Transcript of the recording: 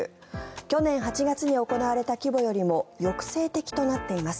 去年８月に行われた規模よりも抑制的となっています。